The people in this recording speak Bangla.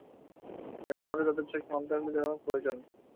এখন আমাদের তাদের চোখের অন্তরালে যাওয়া প্রয়োজন।